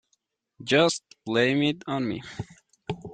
Just blame it on me.